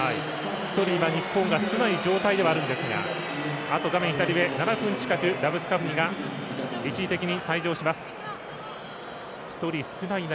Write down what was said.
１人、今、日本が少ない状態ではあるんですがあと７分近くラブスカフニが一時的に退場します。